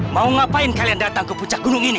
mau ngapain kalian datang ke puncak gunung ini